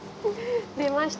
出ました。